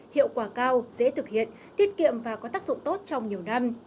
hiệu quả cao dễ thực hiện tiết kiệm và có tác dụng tốt trong nhiều năm